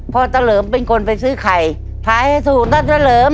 เพราะตะเหลิมเป็นคนไปซื้อไข่พลายให้สุกตะเตอร์เหลิม